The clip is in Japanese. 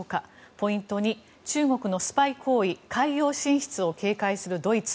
ポイント２中国のスパイ行為海洋進出を警戒するドイツ。